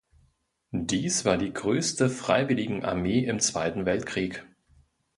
Dies war die größte Freiwilligen-Armee im Zweiten Weltkrieg.